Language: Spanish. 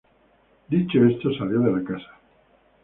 Dicho esto, salió de la casa.